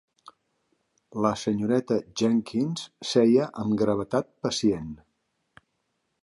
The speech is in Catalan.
La senyoreta Jenkyns seia amb gravetat pacient.